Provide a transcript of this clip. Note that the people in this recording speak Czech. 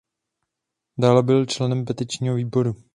Dále byl členem petičního výboru.